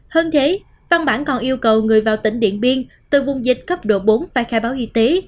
hơn thế văn bản còn yêu cầu người vào tỉnh điện biên từ vùng dịch cấp độ bốn phải khai báo y tế